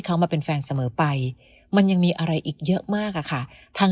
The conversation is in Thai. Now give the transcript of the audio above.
เขามาเป็นแฟนเสมอไปมันยังมีอะไรอีกเยอะมากอะค่ะทาง